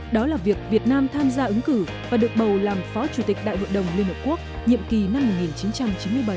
đó là việc việt nam tham gia ứng cử và được bầu làm phó chủ tịch đại hội đồng liên hợp quốc nhiệm kỳ năm một nghìn chín trăm chín mươi bảy